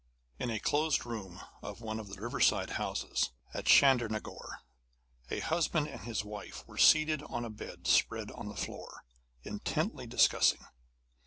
In a closed room of one of the riverside houses at Chandernagore, a husband and his wife were seated on a bed spread on the floor, intently discussing.